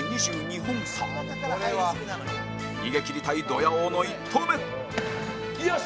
逃げ切りたいドヤ王の１投目後藤：よし！